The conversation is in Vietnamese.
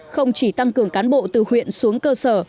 không chỉ tăng cường cán bộ từ huyện xuống cơ sở